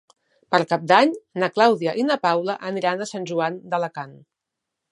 Per Cap d'Any na Clàudia i na Paula aniran a Sant Joan d'Alacant.